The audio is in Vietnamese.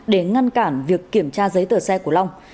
để ngăn cản việc kiểm tra giấy tờ xe của long